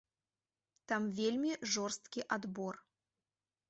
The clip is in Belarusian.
Там вельмі жорсткі адбор.